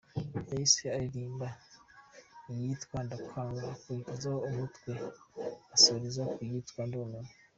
Yahise aririmba iyitwa ’Ndakwanga’, akurikizaho ’Umutwe’ asoreza ku yitwa ’Ndumiwe’.